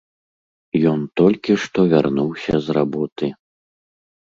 Ён толькі што вярнуўся з работы.